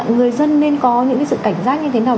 người dân nên có những sự cảnh giác như thế nào